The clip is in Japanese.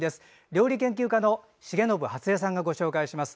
料理研究家の重信初江さんがご紹介します。